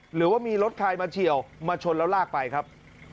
หรือว่ามีรถใครมาเฉียวมาชนแล้วลากไปครับ